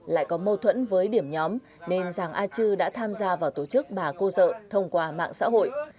lại có mâu thuẫn với điểm nhóm nên giàng a chư đã tham gia vào tổ chức bà cô sợ thông qua mạng xã hội